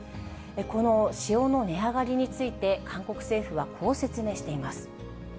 この塩の値上がりについて韓国政府はこう説明しています。